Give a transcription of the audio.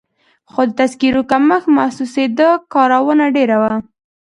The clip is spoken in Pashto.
خو د تذکیرو کمښت محسوسېده، کارونه ډېر وو.